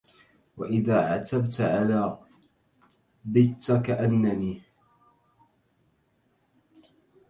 وإذا عتبت على بت كأننى